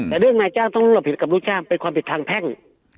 แต่เรื่องนายจ้างต้องรับผิดกับลูกจ้างเป็นความผิดทางแพ่ง